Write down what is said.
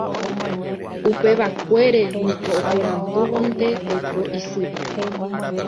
Upevakuére niko oporandúvonte oiko isýpe.